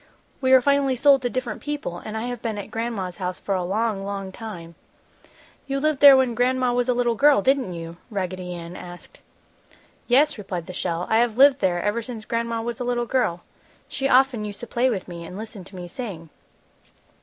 We were finally sold to different people and I have been at Gran'ma's house for a long, long time." "You lived there when Gran'ma was a little girl, didn't you?" Raggedy Ann asked. "Yes," replied the shell, "I have lived there ever since Gran'ma was a little girl. She often used to play with me and listen to me sing."